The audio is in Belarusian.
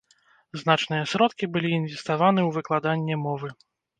Значныя сродкі былі інвеставаны ў выкладанне мовы.